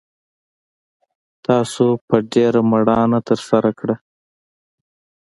تاسو په ډېره میړانه ترسره کړ